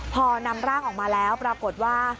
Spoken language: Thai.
พอนำร่างออกมาแล้วปรากฏว่า